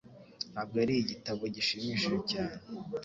Ntabwo yari igitabo gishimishije cyane.